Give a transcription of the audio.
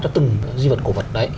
cho từng di vật cổ vật đấy